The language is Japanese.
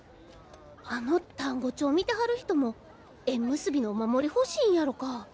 あの単語帳見てはる人も縁結びのお守り欲しいんやろか？